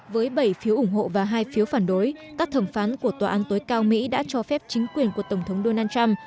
với bảy phiếu ủng hộ và hai phiếu phản đối các thẩm phán của tòa án tối cao mỹ đã cho phép chính quyền của tổng thống donald trump